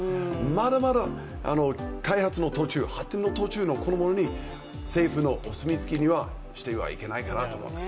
まだまだ開発の途中、発展の途中のものに政府のお墨付きにはしてはいけないかなと思うんです。